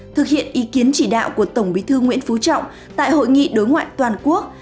thực hiện ý kiến chỉ đạo của tổng bí thư nguyễn phú trọng tại hội nghị đối ngoại toàn quốc